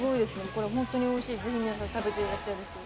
これホントにおいしいぜひ皆さん食べていただきたいです。